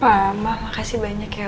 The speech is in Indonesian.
pak mak makasih banyak ya